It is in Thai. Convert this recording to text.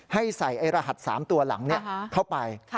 ให้ใส่รหัส๓ตัวหลังเข้าไป